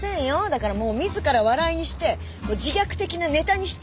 だからもう自ら笑いにして自虐的なネタにしちゃうんですよ。